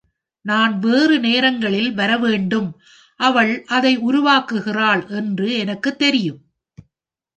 நான் வேறு நேரங்களில் வரவேண்டும், அவள் அதை உருவாக்குகிறாள் என்று எனக்குத் தெரியும்.